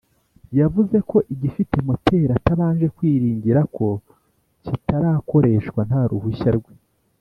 Yavuze ko igifite moteri atabanje kwiringira ko kitakoreshwa nta ruhushya rwe